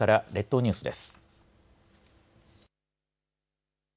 列島ニュースです。